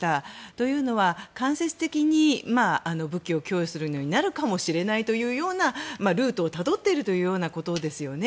というのは、間接的に武器を供与することになるかもしれないというようなルートをたどっているということですよね。